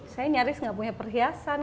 saya nyaris nggak punya perhiasan